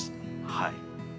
はい。